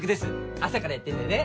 朝からやってんだよね